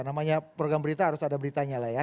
namanya program berita harus ada beritanya lah ya